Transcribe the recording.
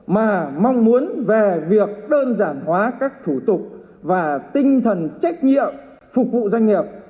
mà mong muốn về việc đơn giản hóa các thủ tục và tinh thần trách nhiệm phục vụ doanh nghiệp